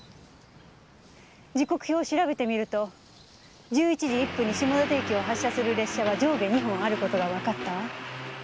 時刻表を調べてみると１１時１分に下館駅を発車する列車は上下２本ある事がわかったわ。